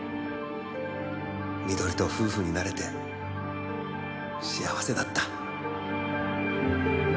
「美登里と夫婦になれて幸せだった」